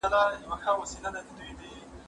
زه له سهاره د سبا لپاره د يادښتونه بشپړوم!!